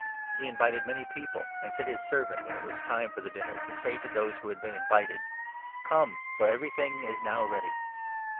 He invited many people, and sent his servant, when it was time for the dinner, to 17 say to those who had been invited ' Come, for everything is now ready.'